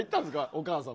お母さん。